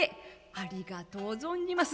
「ありがとう存じます。